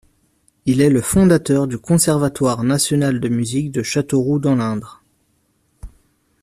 Il est le fondateur du Conservatoire National de musique de Châteauroux dans l'Indre.